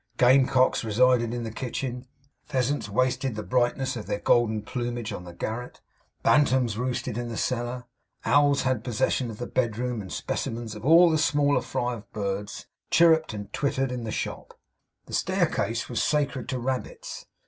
Gamecocks resided in the kitchen; pheasants wasted the brightness of their golden plumage on the garret; bantams roosted in the cellar; owls had possession of the bedroom; and specimens of all the smaller fry of birds chirrupped and twittered in the shop. The staircase was sacred to rabbits.